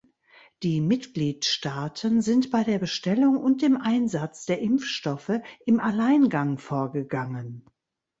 Die Mitgliedstaaten sind bei der Bestellung und dem Einsatz der Impfstoffe im Alleingang vorgegangen.